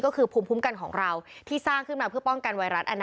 ก็คือภูมิคุ้มกันของเราที่สร้างขึ้นมาเพื่อป้องกันไวรัส